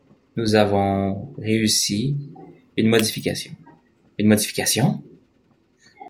Nous avons… réussi… une modification. Une modification?